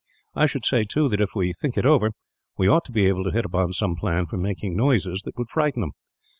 I should say, too, that if we think it over, we ought to be able to hit upon some plan for making noises that would frighten them.